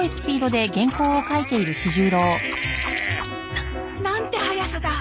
ななんて速さだ。